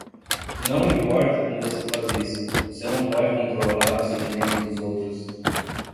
Não importa como você faz isso, você não pode controlar os sentimentos dos outros.